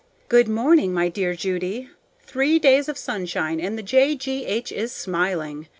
Good morning, my dear Judy! Three days of sunshine, and the J. G. H. is smiling.